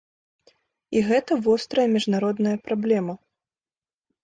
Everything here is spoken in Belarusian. І гэта вострая міжнародная праблема.